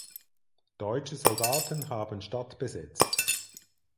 Deutsche Soldaten haben Stadt besetzt.